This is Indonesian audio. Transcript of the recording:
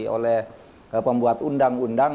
oleh pembuat undang undang